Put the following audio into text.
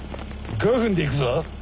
５分で行くぞ。